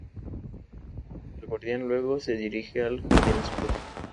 El guardián luego se dirige al Jardín Oscuro.